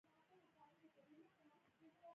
دوي پۀ خپل ژوندانۀ دغه عمل سر ته نۀ کړے شو